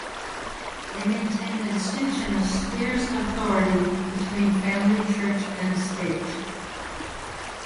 They maintain a distinction of spheres of authority between family, church, and state.